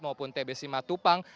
maupun tbsi matupang